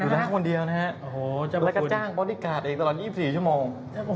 และก็จ้างพอดิการ์ดตลอด๒๔ชั่วโมง